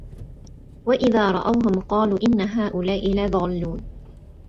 وَإِذا رَأَوهُم قالوا إِنَّ هؤُلاءِ لَضالّونَ